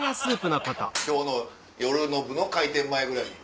今日の夜の部の開店前ぐらいに。